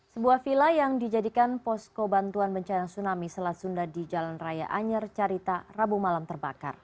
sebuah villa yang dijadikan posko bantuan bencana tsunami selat sunda di jalan raya anyer carita rabu malam terbakar